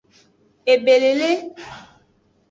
Ebelele.